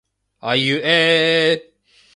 あいうえええええええ